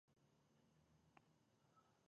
سیلابونه د افغانستان د طبیعي پدیدو یو بل رنګ دی.